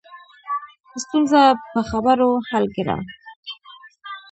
ستونزه په خبرو حل کړه